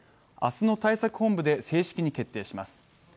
明日の対策本部で正式に決定します。